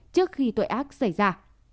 trước khi tội ác xảy ra